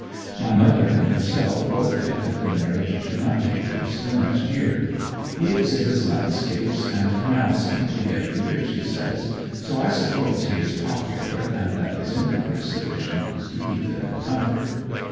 My mother and herself both think that the marriage should not take place till next year. He exhibits landscapes and canal scenery every year, she says; so I suppose he is popular, and that his income is sufficient to keep them in comfort.